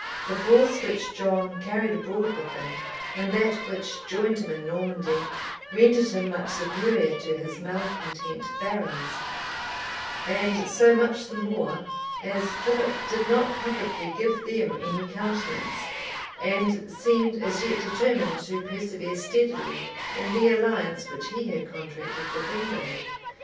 The force which John carried abroad with him, and that which joined him in Normandy, rendered him much superior to his malecontent barons; and so much the more, as Philip did not publicly give them any countenance, and seemed as yet determined to persevere steadily in the alliance which he had contracted with England.